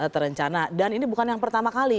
terencana dan ini bukan yang pertama kali